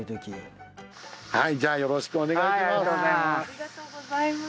はいじゃあよろしくお願いします。